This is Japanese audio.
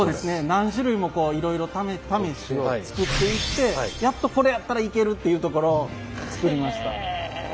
何種類もいろいろ試して作っていってやっとこれやったらいけるっていうところを作りました。